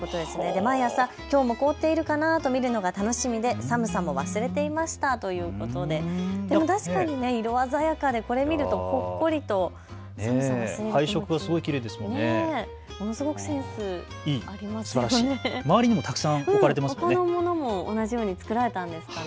毎朝きょうも凍っているかなと見るのが楽しみで寒さも忘れていましたということで確かに色鮮やかでこれを見るとほっこりと寒さを忘れそうですね。